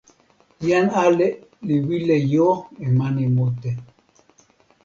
jan ale li wile jo e mani mute.